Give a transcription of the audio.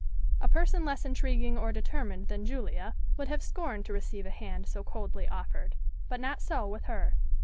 A person less intriguing or determined than Julia would have scorned to receive a hand so coldly offered. But not so with her.